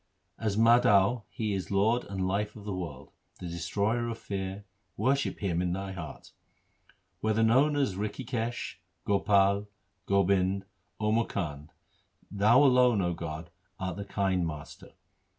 As Madho He is Lord and Life of the world, The Destroyer of fear ; worship Him in thy heart. Whether known as Rikhikesh, Gopal, Gobind, Or Mukand, 2 Thou alone, 0 God, art the kind Master.